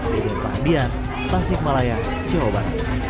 dede pahandian pasik malaya coba